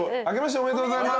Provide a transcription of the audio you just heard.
おめでとうございます！